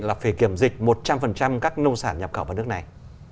là phải kiểm dịch một trăm linh các nông sản nhập khẩu vào nước này